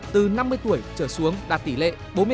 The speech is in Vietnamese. từ năm mươi tuổi trở xuống đạt tỷ lệ bốn mươi ba tám